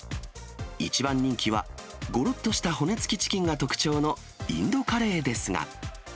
一番人気は、ごろっとした骨付きチキンが特徴のインドカレーですが。